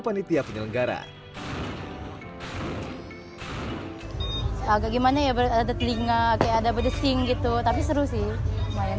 setiap penyelenggara agak gimana ya berada telinga ada berdesing gitu tapi seru sih main